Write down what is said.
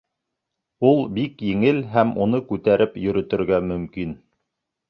Ул бик еңел һәм уны күтәреп йөрөтөргә мөмкин.